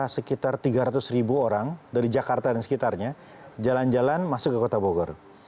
sekitar tiga ratus ribu orang dari jakarta dan sekitarnya jalan jalan masuk ke kota bogor